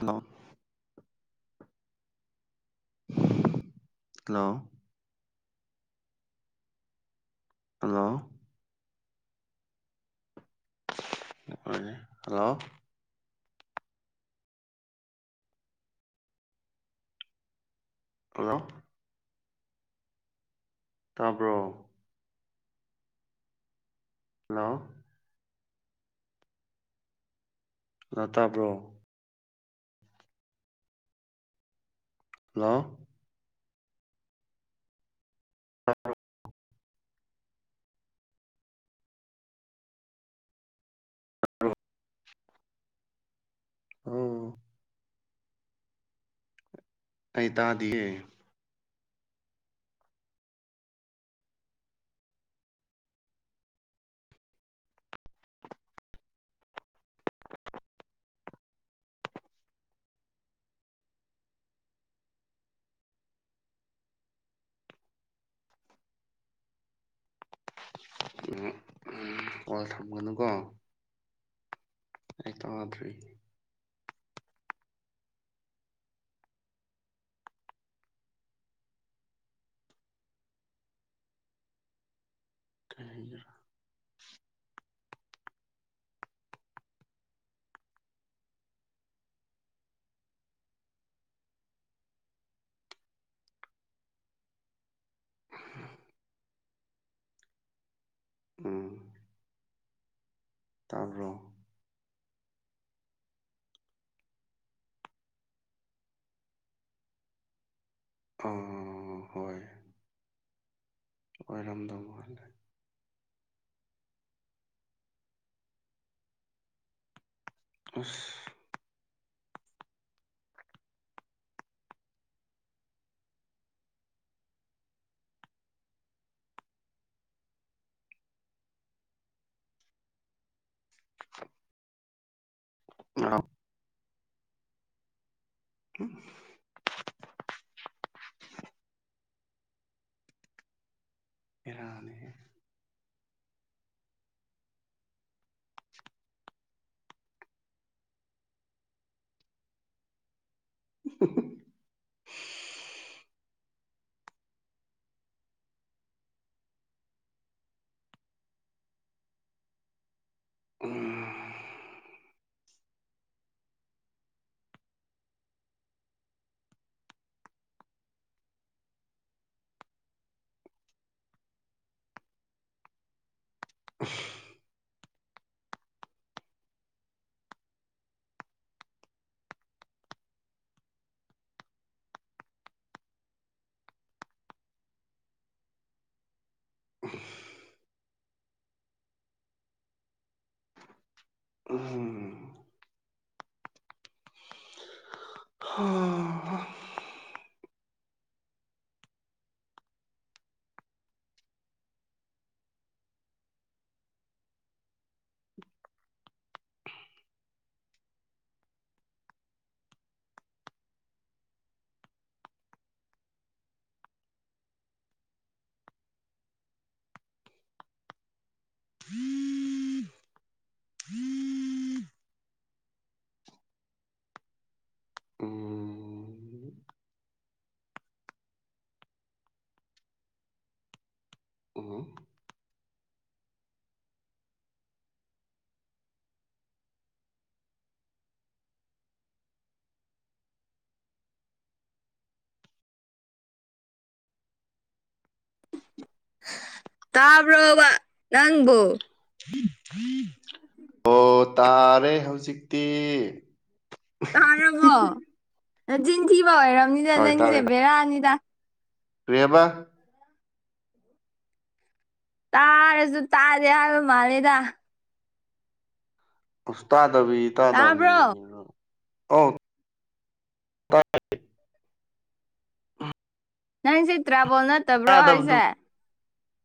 Hello. Hello hello hello. Hello ꯇꯥꯕ꯭ꯔꯣ꯫ Hello. Hello ꯇꯥꯕ꯭ꯔꯣ hello. [unintelligible] [unintelligible] ꯑꯧ ꯑꯩ ꯇꯥꯗꯤꯌꯦ꯫ ꯀꯣꯜ ꯊꯝꯒꯅꯨꯀꯣ꯫ ꯑꯩ ꯇꯗ꯭ꯔꯤ꯫ [unintelligible] ꯎꯝ ꯇꯥꯕ꯭ꯔꯣ꯫ [inaudible] ꯑꯣꯏꯔꯝꯗꯧ ꯃꯥꯜꯂꯦ ꯑꯁ꯫ ꯑꯣ [inaudible] ꯏꯔꯅꯤ [inaudible] ꯝ [inaudible] ꯎꯝ [inaudible] ꯑꯝ [inaudible] [inaudible] ꯎꯍꯝ [inaudible] [unintelligible] [inaudible] ꯎꯝ ꯇꯥꯕ꯭ꯔꯣꯕ ꯅꯪꯕꯨ꯫ ꯑꯣ ꯇꯥꯔꯦ ꯍꯧꯖꯤꯛꯇꯤ꯫ ꯇꯥꯔꯕꯣ ꯅꯆꯤꯟꯊꯤꯕ ꯑꯣꯏꯔꯝꯅꯤꯗ ꯅꯪꯁꯦ ꯕꯦꯔꯅꯤꯗ ꯀꯔꯤ ꯍꯥꯢꯕ꯫ ꯇꯥꯔꯁꯨ ꯇꯥꯗꯦ ꯍꯥꯢꯕ ꯃꯥꯂꯦꯗ꯫ ꯑꯁ ꯇꯥꯗꯕꯤ ꯇꯥꯕ꯭ꯔꯣ ꯇꯥꯗꯕꯅꯤ ꯑꯣ ꯇꯥꯢ ꯅꯁꯦ [inaudible] ꯇ꯭ꯔꯥꯕꯣ ꯅꯠ꯫ ꯇꯥꯗꯕꯗꯨ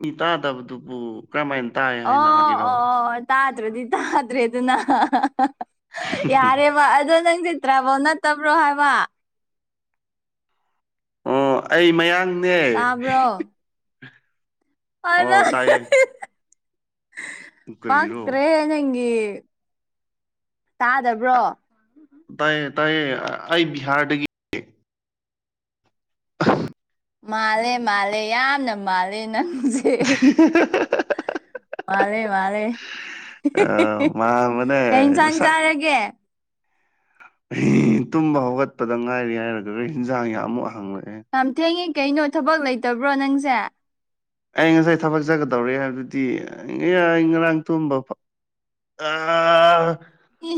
ꯃꯤ ꯇꯥꯗꯕꯗꯨꯕꯨ ꯀꯔꯝꯍꯥꯏꯅ ꯇꯥꯏ ꯍꯥꯏꯅ ꯑꯣ ꯍꯥꯏꯒꯦꯔꯣ꯫ ꯑꯣ ꯑꯣ ꯇꯥꯗ꯭ꯔꯗꯤ ꯇꯥꯗ꯭ꯔꯦꯗꯅ ꯍꯥ ꯍꯥ ꯍꯥ ꯌꯥꯔꯦ ꯕ ꯑꯗꯣ ꯅꯪꯁꯦ ꯇ꯭ꯔꯥꯕꯣ ꯅꯠꯇꯕ꯭ꯔꯣ ꯍꯥꯏꯕ꯫ ꯑꯣ ꯑꯩ ꯃꯌꯥꯡꯅꯦ ꯇꯥꯕ꯭ꯔꯣ ꯑꯣ ꯇꯥꯏꯌꯦ [inaudible] ꯀꯔꯤꯔꯣ ꯄꯥꯛꯇ꯭ꯔꯦꯍꯦ ꯅꯪꯒꯤ ꯇꯥꯗꯕ꯭ꯔꯣ꯫ ꯇꯥꯏꯌꯦ ꯇꯥꯏꯌꯦ ꯑꯩ ꯕꯤꯍꯥꯔꯗꯒꯤ ꯃꯥꯜꯂꯦ ꯃꯥꯜꯂꯦ ꯌꯥꯝꯅ ꯃꯥꯜꯂꯦ ꯅꯪꯖꯤ꯫ [inaudible] ꯃꯥꯂꯦ ꯃꯥꯂꯦ ꯑꯥ ꯀꯩ ꯃꯥꯟꯕꯅꯦ ꯏꯟꯁꯥꯡ ꯃꯁꯛ ꯆꯥꯔꯒꯦ꯫ ꯇꯨꯝꯕ ꯍꯧꯒꯠꯄꯗ ꯉꯥꯏꯔꯤ ꯍꯥꯏꯔꯒ ꯍꯟꯖꯥꯡꯒꯤ ꯑꯃꯨꯛ ꯍꯪꯂꯛꯑꯦ ꯌꯥꯝ ꯊꯦꯡꯉꯤ ꯀꯩꯅꯣ ꯊꯕꯛ ꯂꯩꯇꯕ꯭ꯔꯣ ꯅꯪꯁꯦ꯫ ꯑꯩ ꯉꯁꯥꯏ ꯊꯕꯛ ꯆꯠꯒꯗꯧꯔꯦ ꯍꯥꯏꯕꯗꯤ ꯉꯔꯥꯡ ꯇꯨꯝꯕ ꯑꯥ꯫ [inaudible] ꯏ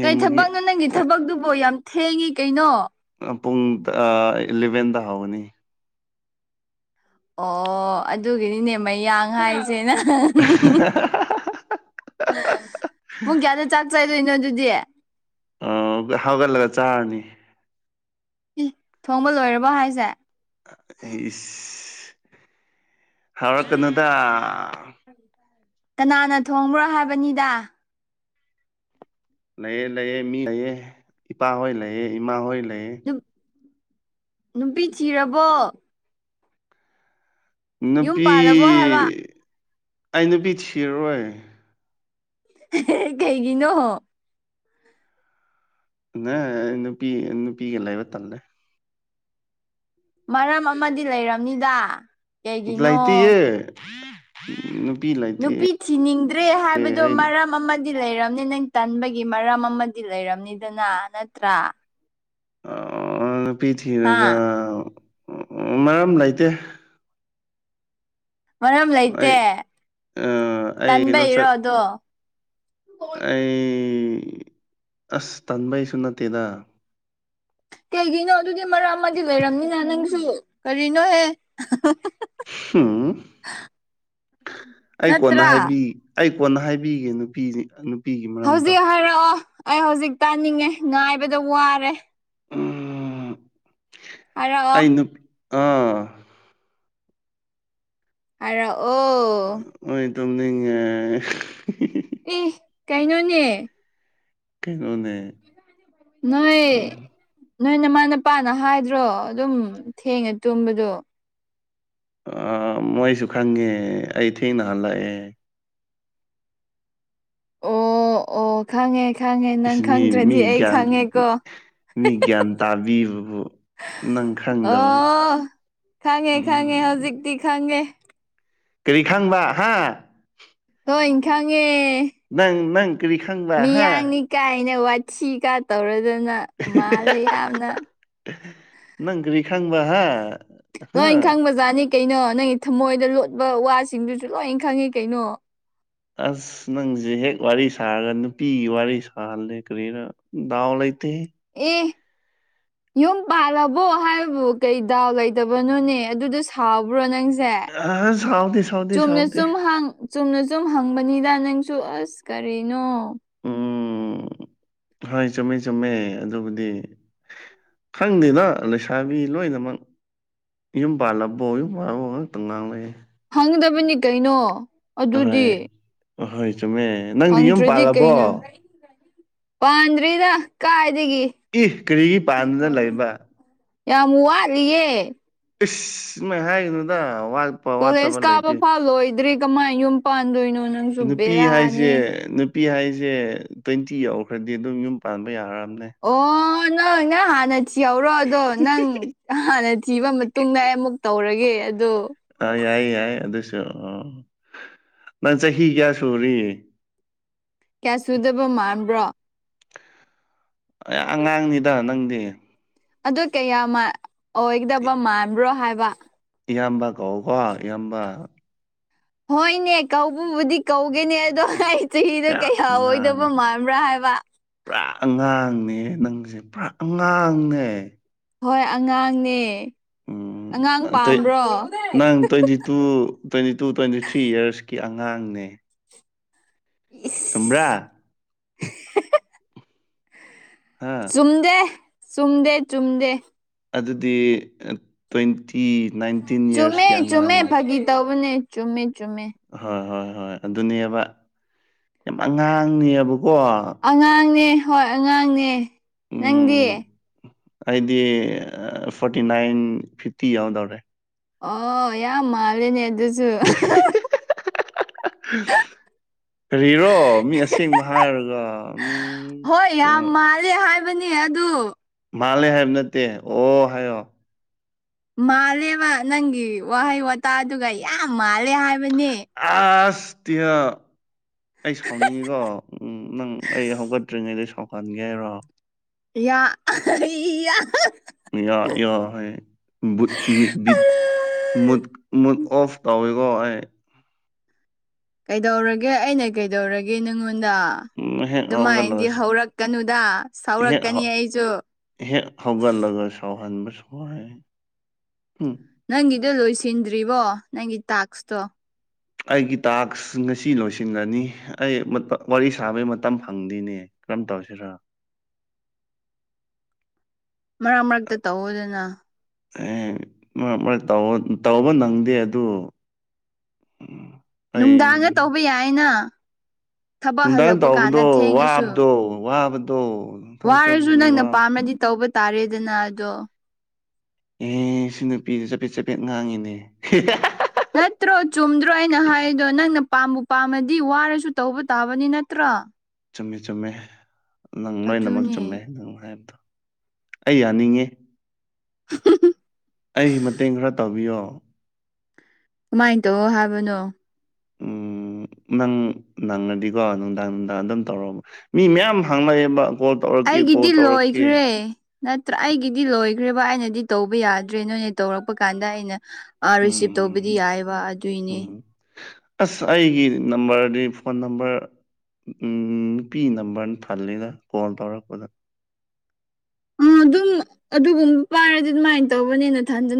ꯀꯩ ꯊꯕꯛꯅꯣ ꯅꯪꯒꯤ ꯊꯕꯛꯇꯨꯕꯣ ꯌꯥꯝ ꯊꯦꯡꯉꯤ ꯀꯩꯅꯣ꯫ ꯅꯪ ꯄꯨꯡ ꯑ ꯏꯂꯚꯦꯟꯗ ꯍꯧꯒꯅꯤ ꯑꯣ ꯑꯗꯨꯒꯤꯗꯤꯅꯦ ꯃꯌꯥꯡ ꯍꯥꯏꯁꯦ ꯅꯪ ꯄꯨꯡ ꯀꯌꯥꯗ ꯆꯥꯛ ꯆꯥꯏꯗꯣꯏꯅꯣ ꯑꯗꯨꯗꯤ ꯑ ꯍꯧꯒꯠꯂꯒ ꯆꯥꯔꯅꯤ ꯎ ꯊꯣꯡꯕ ꯂꯣꯏꯔꯕꯣ ꯍꯥꯏꯁꯦ ꯏꯁ ꯍꯧꯔꯛꯀꯅꯣꯗ꯫ [unintelligible] ꯀꯅꯥꯅ ꯊꯣꯡꯕ꯭ꯔꯣ ꯍꯥꯏꯕꯅꯤꯗꯥ ꯂꯩꯌꯦ ꯂꯩꯌꯦ ꯃꯤ ꯂꯩꯌꯦ ꯏꯄꯥꯍꯣꯏ ꯂꯩꯌꯦ ꯏꯃꯥꯍꯣꯏ ꯂꯩꯌꯦ ꯅꯨꯄꯤ ꯊꯤꯔꯕꯣ ꯌꯨꯝ ꯅꯨꯄꯤ ꯄꯥꯜꯂꯕꯣ ꯍꯥꯏꯕ ꯑꯩ ꯅꯨꯄꯤ ꯊꯤꯔꯔꯣꯏ ꯀꯩꯒꯤꯅꯣ ꯅꯥ ꯅꯨꯄꯤ ꯅꯨꯄꯤꯒ ꯂꯩꯕ ꯇꯜꯂꯦ ꯃꯔꯝ ꯑꯃꯗꯤ ꯂꯩꯔꯝꯅꯤꯗ ꯀꯩꯒꯤꯅꯣ ꯂꯩꯇꯤꯌꯦ ꯅꯨ ꯅꯨꯄꯤ ꯊꯤꯅꯤꯡꯗ꯭ꯔꯦ ꯍꯥꯏꯕꯗꯣ ꯃꯔꯝ ꯑꯃꯗꯤ ꯂꯩꯔꯝꯅꯤ ꯅꯪ ꯇꯟꯕꯒꯤ ꯃꯔꯝ ꯑꯃꯗꯤ ꯂꯩꯔꯝꯅꯤꯗꯅ ꯅꯠꯇ꯭ꯔꯥ ꯑꯥ ꯅꯨꯄꯤ ꯍꯥ ꯊꯤꯔꯒ ꯃꯔꯝ ꯂꯩꯇꯦ ꯃꯔꯝ ꯑꯩ ꯂꯩꯇꯦ ꯑ ꯑꯩ ꯀꯩꯅꯣ ꯇꯟꯕꯩꯔꯣ ꯆꯠ ꯑꯗꯣ ꯑꯩ ꯑꯁ ꯇꯟꯕꯩꯁꯨ ꯅꯠꯇꯦꯗ ꯀꯩꯒꯤꯅꯣ ꯑꯗꯨꯒꯤ ꯃꯔꯝ ꯑꯃꯗꯤ ꯂꯩꯔꯝꯅꯤꯅ ꯅꯪꯁꯨ ꯀꯔꯤꯅꯣꯍꯦ꯫ [unintelligible] ꯑꯩ ꯀꯣꯟꯅ ꯅꯠꯇ꯭ꯔꯥ ꯍꯥꯏꯕꯤ ꯑꯩ ꯀꯣꯟꯅ ꯍꯥꯏꯕꯤꯒꯦ ꯅꯨꯄꯤꯗꯤ ꯍꯧꯖꯤꯛ ꯍꯥꯏꯔꯛꯑꯣ ꯑꯩ ꯍꯧꯖꯤꯛ ꯇꯥꯅꯤꯡꯉꯦ ꯉꯥꯏꯕꯗ ꯋꯥꯔꯦ ꯎꯝ ꯍꯥꯏꯔꯛꯑꯣ ꯑꯩ ꯅꯨ ꯑꯥ ꯍꯥꯢꯔꯛ ꯑꯣ꯫ [unintelligible] ꯇꯨꯝꯅꯤꯉꯦ ꯏꯁ ꯀꯩꯅꯣꯅꯦ꯫ ꯀꯩꯅꯣꯅꯦ ꯅꯣꯏ ꯎꯝ. ꯅꯣꯏ ꯅꯃꯥ ꯅꯄꯥꯅ ꯍꯥꯏꯗ꯭ꯔꯣ ꯑꯗꯨꯝ ꯊꯦꯡꯅ ꯇꯨꯝꯕꯗꯣ ꯑꯥ ꯃꯣꯏꯁꯨ ꯈꯪꯉꯦ ꯑꯩ ꯊꯦꯡꯅ ꯍꯜꯂꯛꯑꯦ꯫ ꯑꯣ ꯑꯣ ꯈꯪꯉꯦ ꯈꯪꯉꯦ ꯅꯪ ꯏꯁ ꯃꯤ ꯈꯪꯗ꯭ꯔꯗꯤ ꯃꯤ ꯑꯩ ꯒ꯭ꯌꯥꯟ ꯈꯪꯉꯦꯀꯣ ꯃꯤ ꯒꯤꯌꯥꯟ ꯇꯥꯕꯤꯕꯕꯨ꯫ ꯅꯪ ꯈꯪꯗꯕꯩ ꯑꯣ ꯈꯪꯉꯦ ꯈꯪꯉꯦ ꯍꯧꯖꯤꯛꯇꯤ ꯈꯪꯉꯦ ꯀꯔꯤ ꯈꯪꯕ ꯍꯥ ꯂꫭꯏ ꯈꯪꯉꯦ ꯅꯪ ꯅꯪ ꯀꯔꯤꯈꯪ ꯃꯤꯌꯥꯡꯅꯤ ꯀꯥꯏꯅ ꯋꯥꯊꯤ ꯀꯥ ꯇꯧꯔꯗꯅ ꯃꯥꯜꯂꯦ ꯌꯥꯝꯅ ꯅꯪ ꯀꯔꯤ ꯈꯪꯕ ꯍꯥ꯫ ꯍꯥ ꯂꯣꯏ ꯈꯪꯕꯖꯥꯠꯅꯤ ꯀꯩꯅꯣ ꯅꯪꯒꯤ ꯊꯃꯣꯏꯗ ꯂꯣꯠꯄ ꯋꯥꯁꯤꯡꯗꯨꯁꯨ ꯂꯣꯏ ꯈꯪꯉꯤ ꯀꯩꯅꯣ ꯑꯁ ꯅꯪꯖꯦ ꯍꯦꯛ ꯋꯥꯔꯤ ꯁꯥꯔꯒ ꯅꯨꯄꯤꯒꯤ ꯋꯥꯔꯤ ꯁꯥꯍꯜꯂꯦ ꯀꯔꯤꯔ ꯗꯥꯎ ꯂꯩꯇꯦꯍꯦ꯫ ꯑꯦ ꯌꯨꯝ ꯄꯥꯜꯂꯕꯣ ꯍꯥꯏꯕꯕꯨ ꯀꯩ ꯗꯥꯎ ꯂꯩꯇꯕꯅꯣꯅꯦ ꯑꯗꯨꯗ ꯁꯥꯎꯕ꯭ꯔꯣ ꯅꯪꯁꯦ ꯑ ꯁꯥꯎꯗꯦ ꯁꯥꯎꯗꯦ ꯆꯨꯝꯅ ꯁꯥꯎꯗꯦ ꯁꯨꯝ ꯍꯪ ꯆꯨꯝꯅ ꯁꯨꯝ ꯍꯪꯕꯅꯤꯗ ꯅꯪꯁꯨ ꯑꯁ ꯀꯔꯤꯅꯣ ꯎꯝ ꯍꯣꯏ ꯆꯨꯝꯃꯦ ꯆꯨꯝꯃꯦ ꯑꯗꯨꯕꯨꯗꯤ ꯈꯪꯗꯦꯗ ꯂꯩꯁꯥꯕꯤ ꯂꯣꯏꯅꯃꯛ ꯌꯨꯝ ꯄꯥꯜꯂꯕꯣ ꯌꯨꯝ ꯄꯥꯜꯂꯕꯣ ꯉꯥꯛꯇꯪ ꯉꯥꯡꯂꯩꯌꯦ ꯍꯪꯒꯗꯕꯅꯤ ꯀꯩꯅꯣ ꯑꯍꯣꯏ ꯑꯗꯨꯗꯤ ꯑꯍꯣꯏ ꯆꯨꯝꯃꯦ ꯅꯪꯗꯤ ꯌꯨꯝ ꯍꯪꯗ꯭ꯔꯗꯤ ꯄꯥꯜꯂꯕꯣ ꯀꯩꯅꯣ ꯄꯥꯟꯗ꯭ꯔꯤꯗ ꯀꯥꯏꯗꯒꯤ꯫ ꯏꯠ ꯀꯔꯤꯒꯤ ꯄꯥꯟꯗꯅ ꯂꯩꯕ ꯌꯥꯝ ꯋꯥꯠꯂꯤꯌꯦ ꯏꯁ ꯃꯥꯏ ꯍꯥꯏꯒꯅꯨꯗ ꯋꯥꯠ ꯀꯣꯂꯦꯖ ꯀꯥꯕ ꯐꯥꯎ ꯂꯣꯏꯗ꯭ꯔꯤ ꯀꯃꯥꯏꯅ ꯌꯨꯝ ꯄꯥꯟꯗꯣꯏꯅꯣ ꯅꯪꯁꯨ ꯅꯨꯄꯤ ꯕꯦꯔꯅꯤ ꯍꯦ ꯍꯥꯏꯁꯦ ꯅꯨꯄꯤ ꯍꯥꯏꯁꯦ ꯇ꯭ꯋꯦꯟꯇꯤ ꯌꯧꯈ꯭ꯔꯗꯤ ꯑꯗꯨꯝ ꯌꯨꯝ ꯄꯥꯟꯕ ꯌꯥꯔꯝꯅꯦ ꯑꯣꯟ꯫ ꯅꯪ ꯅꯪ ꯍꯥꯟꯅ ꯊꯤꯍꯧꯔꯣ ꯑꯗꯣ ꯅꯪ ꯍꯥꯟꯅ ꯊꯤꯕ ꯃꯇꯨꯡꯗ ꯑꯩ ꯑꯃꯨꯛ ꯇꯧꯔꯒꯦ ꯑꯗꯣ ꯑꯥ ꯌꯥꯏ ꯌꯥꯏ ꯑꯗꯨꯁꯨ ꯑꯣ ꯅꯪ ꯆꯍꯤ ꯀꯌꯥ ꯁꯨꯔꯤ ꯀꯌꯥ ꯁꯨꯗꯕ ꯃꯥꯟꯕ꯭ꯔꯣ꯫ ꯑꯩ ꯑꯉꯥꯡꯅꯤꯗ ꯅꯪꯗꯤ ꯑꯗꯨ ꯀꯌꯥ ꯃ ꯑꯣꯏꯒꯗꯕ ꯃꯥꯟꯕ꯭ꯔꯣ ꯍꯥꯏꯕ꯫ ꯏꯌꯥꯝꯕ ꯀꯧ ꯀꯣ ꯏꯌꯥꯝꯕ ꯍꯣꯏꯅꯦ ꯀꯧꯕꯕꯨꯗꯤ ꯀꯧꯒꯦꯅꯦ ꯑꯗꯣ ꯑꯩ ꯆꯍꯤꯗ ꯌꯥ ꯀꯩꯍꯥ ꯑꯉꯥꯡ ꯑꯣꯏꯗꯕ ꯃꯥꯟꯕ꯭ꯔꯥ ꯍꯥꯏꯕ ꯄꯨꯔꯥ ꯑꯉꯥꯡꯅꯦꯍꯦ ꯅꯪꯖꯦ ꯄꯨꯔꯥ ꯑꯉꯥꯡꯅꯦ ꯍꯣꯏ ꯑꯉꯥꯡꯅꯦ ꯎꯝ ꯑꯉꯥꯡ ꯑ ꯇꯩ ꯄꯥꯝꯕ꯭ꯔꯣ ꯅꯪ twenty two twenty two twenty three ꯌ꯭ꯔꯁꯀꯤ ꯑꯉꯥꯡꯅꯦ ꯏꯁ ꯆꯨꯝꯕ꯭ꯔꯥ꯫ ꯍꯥ ꯆꯨꯝꯗꯦ ꯆꯨꯝꯗꯦ ꯆꯨꯝꯗꯦ ꯑꯗꯨꯗꯤ ꯑ ꯇ꯭ꯋꯦꯟꯇꯤ ꯅꯥꯏꯟꯇꯤꯟ ꯆꯨꯝꯃꯦ ꯌꯔꯁꯀꯤ ꯆꯨꯝꯃꯦ ꯑꯉꯥꯡꯅꯦ ꯐꯥꯒꯤ ꯇꯧꯕꯅꯦ ꯆꯨꯝꯃꯦ ꯆꯨꯝꯃꯦ ꯍꯣꯏ ꯍꯣꯏ ꯍꯣꯏ ꯑꯗꯨꯅꯦꯕ ꯌꯥꯝ ꯑꯉꯥꯡꯅꯦꯕꯀꯣ ꯑꯉꯥꯡꯅꯦ ꯍꯣꯏ ꯑꯉꯥꯡꯅꯦ ꯅꯪꯗꯤ ꯎꯝ ꯑꯩꯗꯤ ꯑ ꯐꯣꯔꯇꯤ ꯅꯥꯏꯟ ꯐꯤꯐꯇꯤ ꯌꯥꯎꯗꯧꯔꯦ ꯑꯣ ꯌꯥꯝ ꯃꯥꯂꯦꯅꯦ ꯑꯗꯨꯁꯨ [unintelligible] ꯀꯔꯤꯔꯣ ꯃꯤ ꯑꯁꯦꯡꯕ ꯍꯥꯏꯔꯒ ꯎꯝ ꯀꯩꯅꯣ ꯀꯔꯦ ꯍꯥꯏꯕꯅꯦ ꯑꯗꯨ ꯃꯥꯜꯂꯦ ꯍꯥꯏꯕ ꯅꯠꯇꯦ ꯑꯣ ꯍꯥꯏꯌꯣ ꯃꯥꯜꯂꯦꯕ ꯅꯪꯒꯤ ꯋꯥꯍꯩ ꯋꯥꯇꯥꯗꯨꯒ ꯌꯥꯝ ꯃꯥꯜꯂꯦ ꯍꯥꯏꯕꯅꯦ ꯑꯁ ꯇꯤꯌ ꯑꯩ ꯁꯥꯎꯅꯤꯡꯉꯤꯀꯣ ꯎꯝ ꯅꯪ ꯑꯩ ꯍꯧꯒꯠꯇ꯭ꯔꯤꯉꯩꯗ ꯁꯥꯎꯍꯥꯟꯒꯦ ꯍꯥꯏꯔꯣ ꯌꯥ ꯌꯥ ꯌꯥ ꯌꯥ ꯍꯥꯏꯌꯦ ꯕꯨꯠ ꯃꯤꯠ ꯕꯤꯠ ꯃꯨꯠ ꯃꯨꯠꯑꯣꯐ ꯇꯧꯏꯀꯣ ꯑꯩ ꯀꯩꯗꯧꯔꯒꯦ ꯑꯩꯅ ꯀꯩꯗꯧꯔꯒꯦ ꯅꯪꯉꯣꯟꯗꯥ ꯎꯝ ꯍꯦꯛ ꯍꯧꯒꯠꯂꯒ ꯑꯗꯨꯃꯥꯏꯅꯗꯤ ꯍꯧꯔꯛꯀꯅꯨꯗ ꯍꯦꯛ ꯁꯥꯎꯔꯛꯀꯅꯤ ꯍꯧ ꯑꯩꯁꯨ ꯍꯦꯛ ꯍꯧꯒꯠꯂꯒ ꯁꯥꯎꯍꯟꯕꯁꯨ ꯋꯥꯏ ꯍꯨꯝ ꯅꯪꯒꯤꯗꯣ ꯂꯣꯏꯁꯤꯟꯗ꯭ꯔꯤꯕꯣ ꯅꯪꯒꯤ ꯇꯥꯛꯁꯇꯣ ꯑꯩꯒꯤ ꯇꯥꯛꯁ ꯉꯁꯤ ꯂꯣꯏꯁꯤꯟꯒꯅꯤ ꯑꯩ ꯃꯨꯠꯄ ꯋꯥꯔꯤ ꯁꯥꯕꯩ ꯃꯇꯝ ꯐꯪꯗꯦꯅꯦ ꯀꯔꯝ ꯇꯧꯁꯤꯔ ꯃꯔꯛ ꯃꯔꯛꯇ ꯇꯧꯋꯣꯗꯅ ꯑꯦ ꯃꯔꯛ ꯃꯔꯛ ꯇꯧꯕ ꯅꯪꯗꯦ ꯑꯗꯨ꯫ ꯎꯝ ꯅꯨꯡꯗꯥꯡꯗ ꯇꯧꯕ ꯌꯥꯏꯅ ꯊꯕꯛ ꯅꯨꯡꯗꯥꯡ ꯍꯜꯂꯛꯄ ꯀꯥꯟꯗ ꯇꯥꯎꯕꯗꯣ ꯊꯦꯡꯉꯁꯨ ꯋꯥꯕꯗꯣ ꯋꯥꯕꯗꯣ ꯊꯕꯛ ꯋꯥꯔꯁꯨ ꯆꯠꯄꯒꯤ ꯅꯪꯅ ꯋꯥꯕꯗꯣ ꯄꯥꯝꯃꯗꯤ ꯇꯧꯕ ꯇꯥꯔꯦꯗꯅ ꯑꯗꯣ ꯏꯤꯁ ꯅꯨꯄꯤꯁꯤ ꯆꯕꯦꯠ ꯆꯕꯦꯠ ꯉꯥꯡꯉꯤꯅꯦ ꯅꯠꯇ꯭ꯔꯣ ꯆꯨꯝꯗ꯭ꯔꯣ ꯑꯩꯅ ꯍꯥꯏꯔꯤꯗꯣ ꯅꯪꯅ ꯄꯥꯝꯕꯨ ꯄꯥꯝꯃꯗꯤ ꯋꯥꯔꯁꯨ ꯇꯧꯕ ꯇꯥꯕꯅꯤ ꯅꯠꯇ꯭ꯔꯣ ꯆꯨꯝꯃꯦ ꯆꯨꯝꯃꯦ ꯅꯪ ꯂꯣꯏꯅꯃꯛ ꯑꯗꯨꯅꯦ ꯆꯨꯝꯃꯦ ꯅꯪ ꯍꯥꯏꯕꯗꯣ ꯑꯩ ꯌꯥꯅꯤꯡꯉꯦ [unintelligible] ꯑꯩ ꯃꯇꯦꯡ ꯈꯔ ꯇꯧꯕꯤꯌꯣ ꯀꯃꯥꯏꯅ ꯇꯧꯋꯣ ꯍꯥꯏꯕꯅꯣ ꯎꯝ ꯅꯪ ꯅꯪꯑꯗꯤꯀꯣ ꯅꯨꯡꯗꯥꯡ ꯅꯨꯡꯗꯥꯡ ꯑꯗꯨꯝ ꯇꯧꯔꯛꯑꯣ ꯃꯤ ꯃꯌꯥꯝ ꯍꯥꯡꯅꯩ ꯑꯕ ꯒꯣꯜ ꯑꯩꯒꯤꯗꯤ ꯂꯣꯏꯈ꯭ꯔꯦ ꯅꯠꯇ꯭ꯔꯥ ꯑꯩꯒꯤꯗꯤ ꯂꯣꯏꯒꯔꯦꯕ ꯑꯩꯅꯗꯤ ꯇꯧꯕ ꯌꯥꯗ꯭ꯔꯦ ꯅꯣꯏꯅ ꯇꯧꯔꯛꯄ ꯀꯥꯟꯗ ꯑꯩꯅ ꯑ ꯔꯤꯁꯤꯞ ꯇꯧꯕꯗꯤ ꯎꯝ ꯌꯥꯏꯕ ꯑꯗꯨꯏꯅꯦ ꯎꯝ ꯑꯁ ꯑꯩꯒꯤ ꯅꯝꯕꯔꯗꯤ ꯐꯣꯟ ꯅꯝꯕꯔ ꯎꯝ ꯅꯨꯄꯤ ꯅꯝꯕꯔꯅ ꯇꯜꯂꯤꯗ ꯀꯣꯜ ꯇꯧꯔꯛꯄꯗ ꯎꯝ ꯑꯗꯨꯝ ꯑꯗꯨꯒꯨꯝꯕ ꯄꯥꯏꯔꯗꯤ ꯑꯗꯨꯃꯥꯏꯅ ꯇꯧꯕꯅꯦꯅ ꯅꯊꯟꯗꯅ